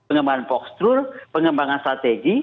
pengembangan fokstrur pengembangan strategi